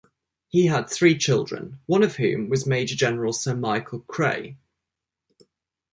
He had three children, one of whom was Major General Sir Michael Creagh.